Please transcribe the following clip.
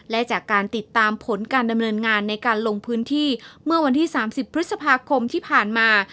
และจากการติดตามผลการดำเนินงานในการลงพื้นที่เมื่อวันที่๓๐พฤษภาคมที่ผ่านมา